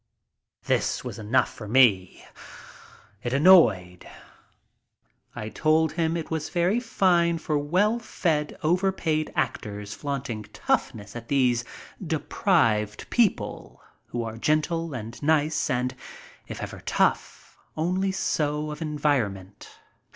This was enough for me. It annoyed. I told him that it was very fine for well fed, overpaid actors flaunting toughness at these deprived people, who are gentle and nice and, if ever tough, only so because of en vironment.